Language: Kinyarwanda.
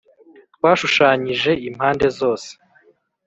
twashushanyije impande zose, -